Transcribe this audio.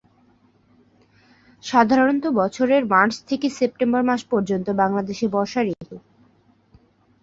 সাধারণত বছরের মার্চ থেকে সেপ্টেম্বর মাস বাংলাদেশে বর্ষা ঋতু।